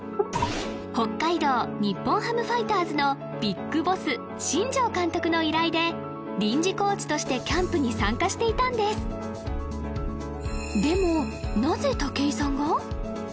北海道日本ハムファイターズのＢＩＧＢＯＳＳ新庄監督の依頼で臨時コーチとしてキャンプに参加していたんですでもなぜ武井さんが？